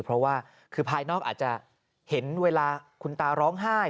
เพราะว่าคือภายนอกอาจจะเห็นเวลาคุณตาร้องไห้